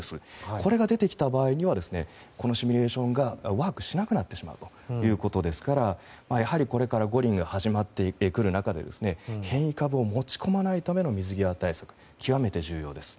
これが出てきた場合にはこのシミュレーションがワークしなくなってしまうということですからやはり、これから五輪が始めってくる中で変異株を持ち込まないための水際対策が極めて重要です。